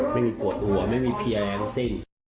ไม่มีปวดหัวไม่มีเพลียทั้งสิ้น